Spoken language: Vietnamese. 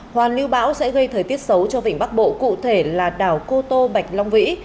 hoàn lưu bão sẽ gây thời tiết xấu cho vịnh bắc bộ cụ thể là đảo cô tô bạch long vĩ